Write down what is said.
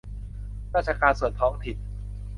ราชการส่วนท้องถิ่น